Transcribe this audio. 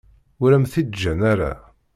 Ur am-t-id-ǧǧan ara.